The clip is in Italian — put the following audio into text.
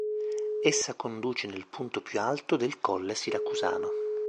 Essa conduce nel punto più alto del Colle siracusano.